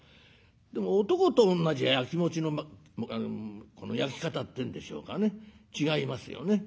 でも男と女じゃやきもちのこのやき方っていうんでしょうかね違いますよね。